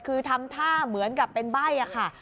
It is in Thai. คือทำท่าเหมือนกับเป็นใบ้อะค่ะ